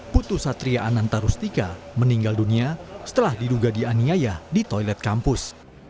putu satria ananta rustika meninggal dunia setelah diduga dianiaya di toilet kampus